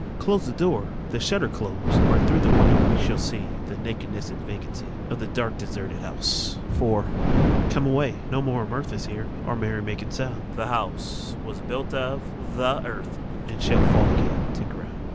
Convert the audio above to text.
Close the door, the shutters close, Or throÆ the windows we shall see The nakedness and vacancy Of the dark deserted house. IV. Come away; no more of mirth Is here or merry making sound. The house was builded of the earth, And shall fall again to ground.